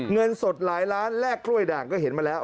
เงินสดหลายล้านแลกกล้วยด่างก็เห็นมาแล้ว